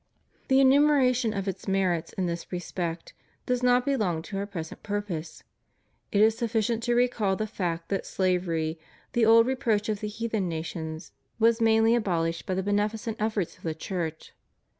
The enumeration of its merits in this respect does not belong to our present purpose. It is sufficient to recall the fact that slavery, that old reproach of the heathen nations, was mainly abolished by the beneficent efforts of the Church.